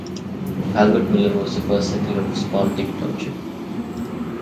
Albert Miller was the first settler of Spaulding Township.